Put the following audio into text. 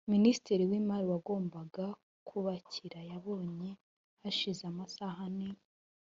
minsitiri w'imali wagombaga kubakira yabonye hashize amasaha ane